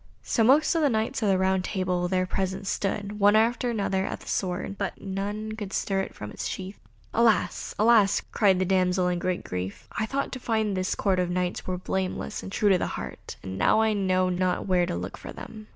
So most of the Knights of the Round Table there present pulled, one after another, at the sword, but none could stir it from its sheath. "Alas! alas!" cried the damsel in great grief, "I thought to find in this Court Knights that were blameless and true of heart, and now I know not where to look for them."